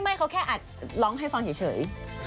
ไม่เขาแค่อัดร้องให้ฟังเฉย